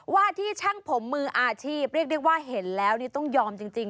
ว่าที่ช่างผมมืออาชีพเรียกได้ว่าเห็นแล้วนี่ต้องยอมจริง